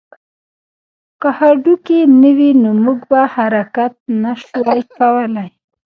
که هډوکي نه وی نو موږ به حرکت نه شوای کولی